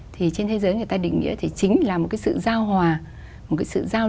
thì trên thế giới người ta định nghĩa chính là một sự giao hòa